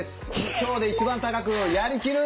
今日で一番高くやりきる！